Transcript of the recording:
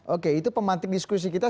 oke itu pemantik diskusi kita